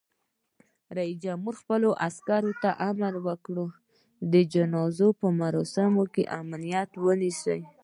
رئیس جمهور خپلو عسکرو ته امر وکړ؛ د جنازو په مراسمو کې امنیت ونیسئ!